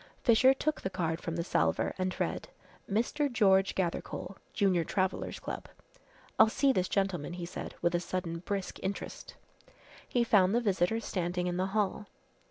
Fisher took the card from the salver and read, "Mr. George Gathercole, Junior Travellers' Club." "I'll see this gentleman," he said, with a sudden brisk interest. He found the visitor standing in the hall.